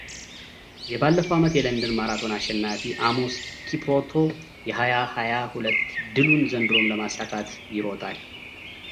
የባለፈው ዓመት የለንደን ማራቶን አሸናፊ አሞስ ኪፕሩቶ የሀያ ሀያ ሁለት ድሉን ዘንድሮም ለማሳካት ይሮጣል።